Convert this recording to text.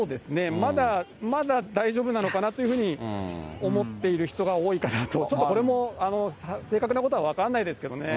まだ、まだ大丈夫なのかなというふうに思っている人が多いかなと、ちょっとこれも正確なことは分からないですけどね。